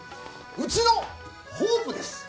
うちのホープです。